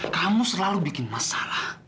kamu selalu bikin masalah